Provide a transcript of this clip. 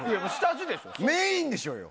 メインでしょうよ！